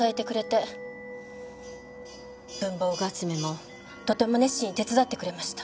文房具集めもとても熱心に手伝ってくれました。